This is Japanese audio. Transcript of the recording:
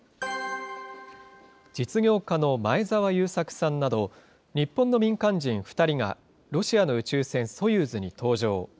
実業家の前澤友作さんなど、日本の民間人２人がロシアの宇宙船ソユーズに搭乗。